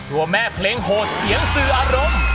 ตัวแม่เพลงโหดเสียงสื่ออารมณ์